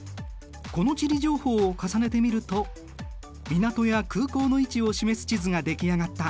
この地理情報を重ねてみると港や空港の位置を示す地図が出来上がった。